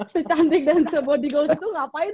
secantik dan se bodygold itu ngapain